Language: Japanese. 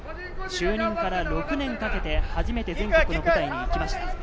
就任から６年かけて初めて全国の舞台に行きました。